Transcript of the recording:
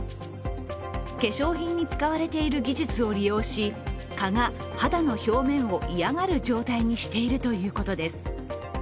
化粧品に使われている技術を利用し、蚊が肌の表面を嫌がる状態にしているということです。